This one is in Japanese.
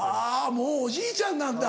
もうおじいちゃんなんだ。